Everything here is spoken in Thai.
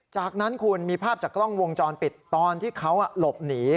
จากนั้นคุณมีภาพจากกล้องวงจรปิดตอนที่เขาหลบหนี